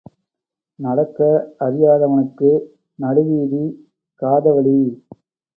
நடக்க அறியாதவனுக்கு நடுவீதி காத வழி.